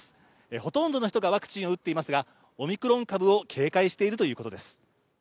ほとんどの人がワクチンを打っていますがオミクロン株を警戒しているということです。